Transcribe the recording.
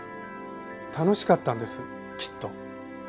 楽しかったんですきっと。